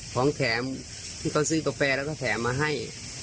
ของแถมที่เขาซื้อกาแฟแล้วก็แถมมาให้